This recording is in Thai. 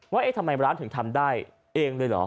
เอ๊ะทำไมร้านถึงทำได้เองเลยเหรอ